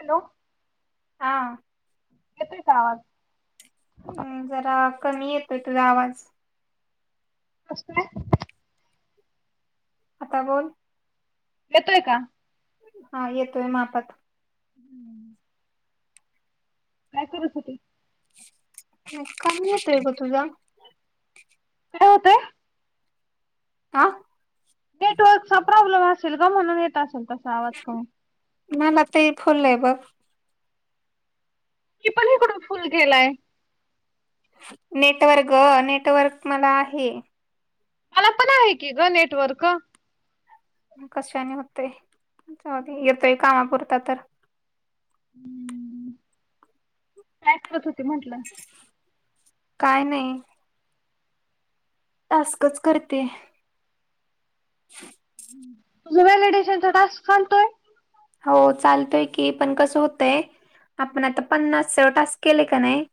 Hello. हा. येतोय का आवाज हम् जरा कमी येतोय तुझा आवाज कसय? आता बोल. येतोय का? हा येतोय मापात हम्म. काय करत होते. काम येत आहे ग तुझ? काय होतंय. का? नेटवर्कचा प्रॉब्लेम असेल ग म्हणून येत असेल तसा आवाज करून म म ते फुल लाब की पण हकडून फुल केलाय. नेटवर्क नेटवर्क मला आहे. मला पण आहे की ग नेटवर्क कशाने होतेय येतोय कामापुरता तर हम्म काय करत होते म्हटलं. काय नाही. तास्कच करते. ह. तुजा व्हलिडेशनचा टास्क चालतोय. हो चालतोय की पण कसं होतय आपण आता पन्नास टास्क केले का नाही.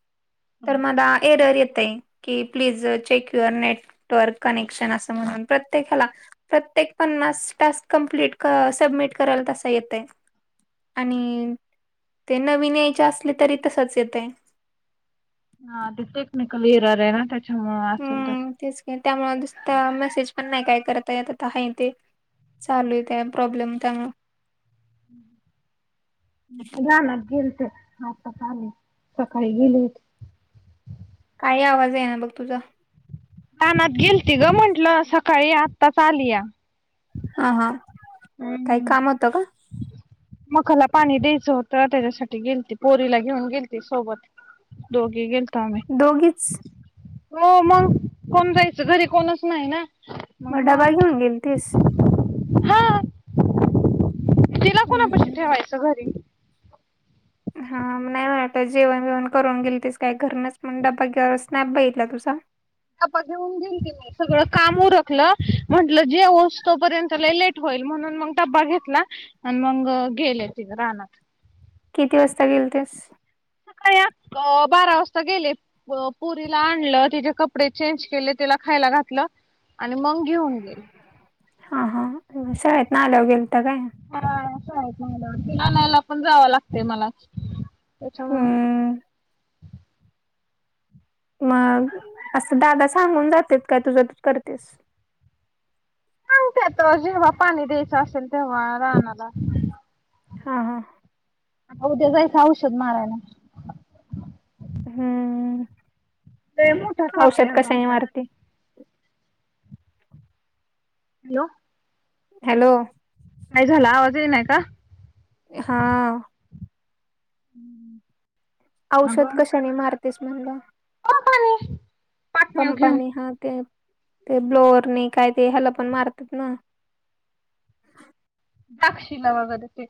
तर मला एरर येत आहे. कि प्लीज चेक्युअर नेटवर्क कनेक्शन असं म्हणून प्रत्येकाला प्रत्येक पन्नास टास्क कंप्लीट सबमिट करायला तसा येत. आणि ते नवीन यायचे असले तरी तसच येतय. हा ते टेक्निकल इरर आहे ना त्याच्यामुळे असेल तर हम्म तेच का त्यामुुसत मेसेज पण नाही काय करता येत आहे ते चालू आहे त्या प्रॉब्लेम त्यामुळे मज लाग गेल ते सका सकाळी गेली. काय आवाज आहे ना बघ तुझा कानात गेलती ग म्हंटलं सकाळी आत्ता चालीया. ह हा. काही हम्. काम होतं का मकााला पाणी द्यायचं होत त्याच्यासाठी गेल त पोरीला घेऊन गेलती सोबत दोगी गेलतम दोघीच हो मग कोण जायचं घरी कोणच नाही ना. मग डबा घेऊन गेली तीस हा तिला कोणा हम्म हम्म कशी ठेवायचं घरी हा नाही ब आता जेवण बीवण करून गेलतीस काय घरुनच मंग ड्बा [unintelligible] बघितला तुझा डब्बा घेऊन [unintelligible] सगळं काम उरखलं म्हंटलं जेवूस तोपर्यंत लई लेट होईल म्हणून मग डबा घेतला आण मंग गेले तिघ रानात. किती वाजता गेलतिस? [unintelligible] बारा वाजता गेले पोरीला आणलं, तिचे कपडे चेंज केले, तिला खायला घातलं, आणि मंग घेऊन गेली. हा हा शाळेतन आल्यावर गेलता काय? हा असं आहेत ना मला तिला आणायला पण जावं लागतय मलाच तेच्यामुळ हम्म मग आसं दादा सांगून जातेेत काय तुझ तूच करतेस? [unintelligible] जेव्हा पाणी द्याचं आसेल तेव्हा राणाला हा हा. आता उद्या जायचं औषध मारायला. हम्म, लय मोठा साप आहे औषध अगं कशाने आमच्या रानात मारते? हॅलो! हॅलो! काय झाला आवाज येईना का? हा. औषध कशानी मारतेस म्हणलं? पंपानी. पंपानी हा ते ते ब्लोअरने काय ते ह्याला पण मारतात ना. दाक्षीला वगैरे ते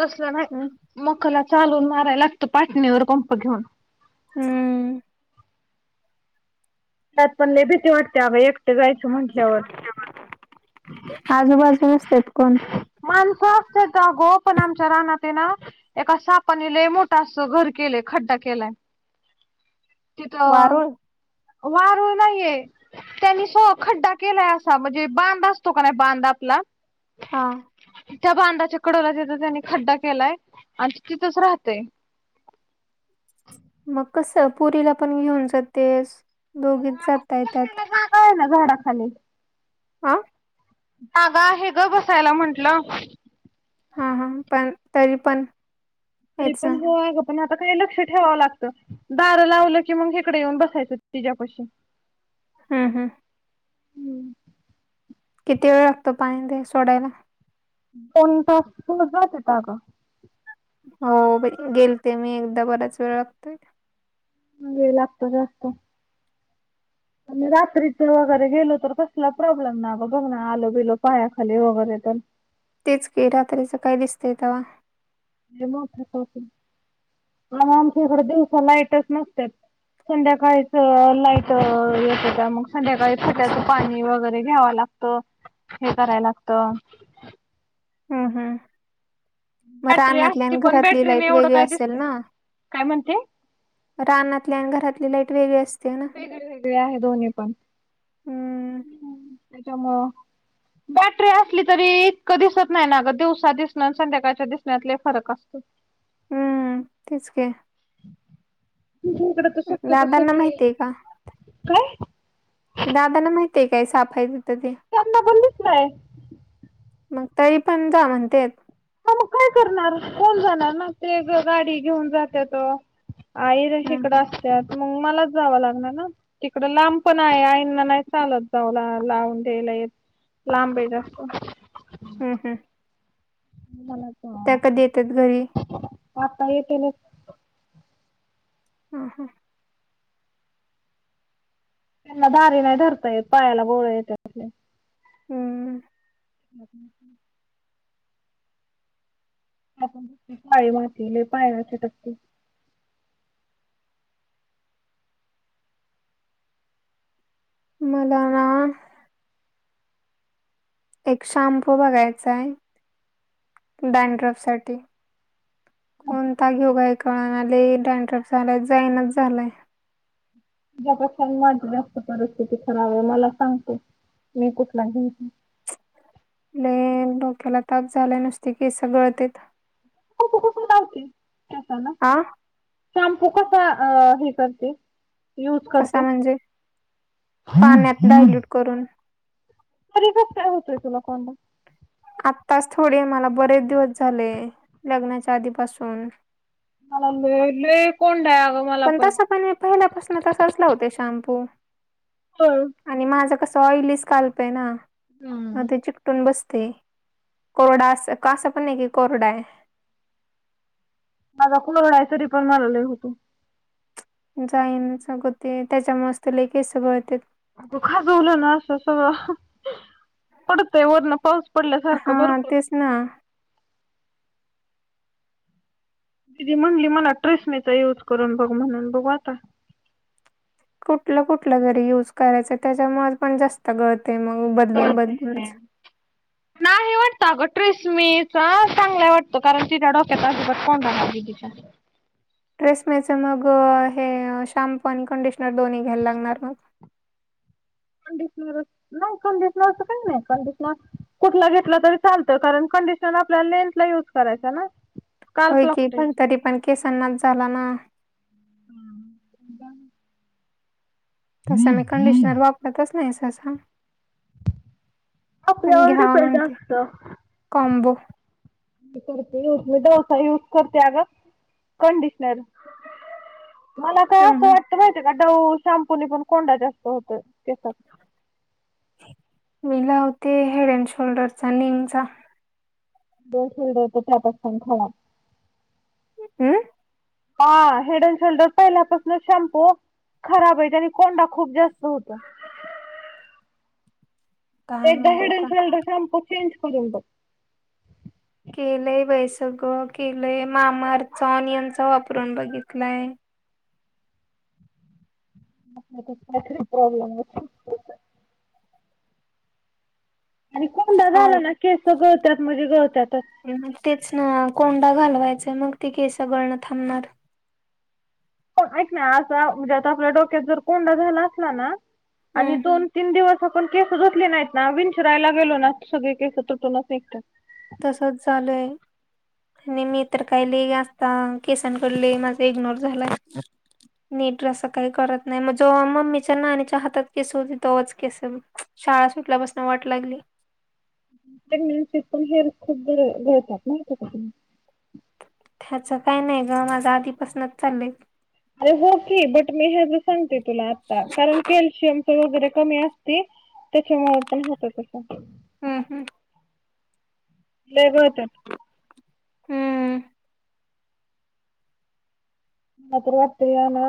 तसलं नाही मकला चालून मारायला लागतो पाटणीवर कंप घेऊन. हम्म. तात पण लई भीती वाटत्या [unintelligible] एक ट जायच म्हटल्यावर. आजूबाजू नसतेत कोण माणस असत्यात आगं पण आमच्या रानात हे ना एका सापानी लई मोठा अस घर केलंय खड्डा केलाय. तिथं वारूळ वारूळ नाहीये. त्यांनी सो खड्डा केलाय आसा म्हणजे बांध असतो का नाही बांध आपला हा. त्या बांधाच्या कडला तिथ त्यांनी खड्डा केलाय आणि ते तिथंच राहतय. मग कसं पोरीला पण घेऊन जातेस दोघीच जाताय त्यात. [unintelligible] हाय ना झाडाखाली. हां. जागा आहे गं बसायला म्हंटलं. हा हा पण तरी पण तरी हेच ना पण हो आगं पण आता काही लक्ष ठेवावं लागतं. दारं लावलं की मग हिकड येऊन बसायचं तिच्यापाशी. हम्म, हम्म. हम्म. किती वेळ लागतो पाणी ते सोडायला? दोन तास [unintelligible] येतो आगं. हो बाई गेलते मी एकदा बराच वेळ लागतोय. वेळ लागतोय गं जास्त. आणि रात्रीच वगैरे गेलो तर कसला प्रॉब्लेम ना ग बघ ना आल बिल पायाखाली वगैरे तर. तेच के रात्रीच काय दिसतंय तव्हा. [unintelligible] मंग आमच्या इकड दिवसा लाईटच नसत्यात. संध्याकाळीच लाईट येत्याता मंग. संध्याकाळी ट्याचं पाणी वगैरे घ्यावं लागत हे कराय लागत. ह हम म रा बॅटरी असती अनातल्यान पण घरातली लाईट बॅटरीने एवढं वेगळी काय असेल दिसतंय ना. काय म्हणते राहनाली आणि घरातली लाईट वेगळी असते. ना वेगळे वेगळे आहे दोन्ही पण. हम्म ह त्याेत म बॅटरी असली तरी इतकं दिसत नाही ना ग दिवसा दिसनं संध्याकाळच्या दिसण्यातले फरक असतो. हम्म तेच का तुकड त शक्य तस दादांना तु माहितीये का काय! ते दादाना माहती आहे काय साफाय त तर ते तेना बोललीच नाहीय. मग तरी पण जा म्हणते. हा मग काय करणार कोण जाणार ना ते गाडी घेऊन जाते त आई र हम्म शेकडा! त्यात मग मलाच जावं लागणार ना? इकडं लांब पण आहे आईंना नाही चालत जाऊला लावून द्यायला य! लांब आहे जास्त हम् हम् ला त्या कधी येतात घरी आता येतल ह हा त्यांना दारी नाही धरता येत पायाला बोळ येत हम्म ब आपण पाय मातले पायचे टकते मदाान एक शॅम्पू बघायचा आहे डॅनड्रफ साठी कोणता घेऊ काय कळणाले डॅनड्रफ झालाय जाईनच झालाय ्यापेक्षा माझी जास्त परिस्थिती खराब आहे मला सांगतो मी कुठला घेचो ले डोक्याला ताप झाला नसते की स गळते. ख लावते ना आ शॅम्पू कसा हे करते. यूज कसा करते म्हणजे ह पाण्यात डायल्यूट करून ख काय होतय तुला कोणला आत्ताच थोडे मला बरेच दिवस झाले लग्नाच्या आधी पाासून कलाले कोडग पण तस पण पहिल्यापासून तसा असला होते शॅम्पू होय आणि माझं कस ऑइलीस काल्प आहे ना हम्म मग ते चिकटून बसते कोरडा अस कसं पण नाही कि कोरडा आहे माझा कुमरडायसरी पण मलाला होतो जाईन सगते त्याच्या मस्त लेखे सगळते दुखाचवलं ना अस अस पडतय वरर्ण पाऊस पडल्यासारखं हा भरपूर तेच ना दिदी म्हंली मला ट्रेसणीचा यूज करून बघ म्हणून बघ आता कुठलं कुठलं घरी युज करायचं त्याच्यामुळे पण जास्त गळते मग बदलून बदलूनच नाही वाटतं अगं ट्रिसमीच चांगलाय वाटतं कारण तिच्या डोक्यात अजबर फन रा रेसमेच मग हे शॅम्पू आणि कंडिशनर, दोन्ही घ्यायला लागणार मग. कंडिशनर, नाही कंडिशनरच, काही नाही. कंडिशनर कुठला घेतलं तरी चालतं. कारण कंडिशन आपल्या लेंथला युज करायचा ना. होय स्काल्पला की. कुठे पण तरी पण केसांनाच झाला ना. हम. [unintelligible] तसं मी कंडिशनर वापरतच नाही, सहसा. पण आपल्यावर घ्यावा डिपेंड म्हणते. असतं कॉम्बो. करते यूज. मी डव्हचा यूज करते अगं, कंडिशनर. मला का असं हम्म वाटतं माहितीय का? डवू शॅम्पू न पण कोंडा जास्त होतो केसात. मी लावते हेड अँड शोल्डरचा, निमचा. [unintelligible] [unintelligible] अं. हा, हेड अँड शोल्डर पहिल्यापासूनच शॅम्पू खराबय. त्यांनी कोंडा खूप जास्त होत. काय एकदा माहित हेड आता. अँड शोल्डर शाम्पू चेंज करून बघ. केलंय बाई सगळं केलंय. मामाअर्थचा ऑनियन चा वापरून बघितलाय. आपल्यातच काय तरी प्रॉब्लेम असल. आणि कोंडा झाला ना, केसं गळत्यात म्हणजे गळतातच. मग तेच न. कोंडा घालवायचाय मग, ते केस गळणं थांबणार. ऐक ना, असा म्हणजे आता आपल्या डोक्यात जर, कोंडा झाला असला ना, आणि हम्म दोन- तीन दिवस आपण केस धूतली नाहीत ना, विंचरायला गेलो ना सगळे केस तुटूनच निघतात. तसच, झालंय. [unintelligible] मी तर काय लय असता. केसांकड माझा इग्नोर झालाय. नीट असं काही करत नाही. मग जेव्हा मम्मीच्या, नाणीच्या हातात केस होती. तवाच केस [unintelligible] शाळा सुटल्या पासनं वाट लागली. प्रेग्न्सीत पण हेअर खूप गळ गळतात. माहितीय का तुला. ह्याचं काय नाही गं, माझं आधीपासनच चाललंयत. अरे हो की. बट मी ह्याज सांगते तुला आता. कारण कॅल्शियमच वगैरे कमी असती. त्याच्यामुळे पण होत तसं. हम्, हम्. लय गळत्यात. हम्म. मला तर वाटतय, या ना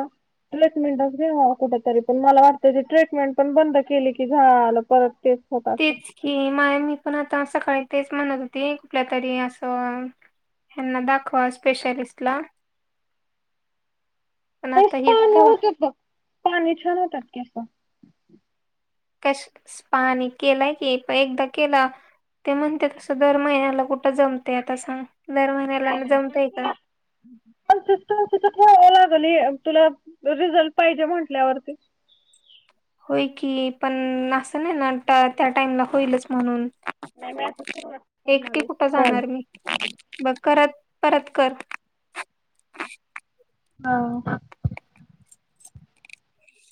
ट्रीटमेंटच घ्यावा कुठ तरी. पण मला वाटतं ती ट्रीटमेंट पण बंद केली की, झालं परत तेच. होत असेल. तीच की. माय मी पण आता सकाळी तेच म्हणत होते. कुठल्या तरी असं ह्यांना दाखवा, स्पेशालिस्टला. पण आता हितं तू बघ. स्पा नि छान होतात केसं. केस स्पा नि केलंय की, प एकदा केला ते म्हणतेत तसं, दर महिन्याला कुठं जमतय, आता सांग? दर महिन्याला न जमतय का? कनसिस्टन्सी तर ठेवावी लागल तुला. रिझल्ट पाहिजे म्हंटल्यावरती. होय की. पण असं नाही ना, टा त्या टाइमला होईलच म्हणून. नाही मी आता सुरुवात एकटी करणारय कुठं स्पाला. [unintelligible] बघ करत परत कर. हा.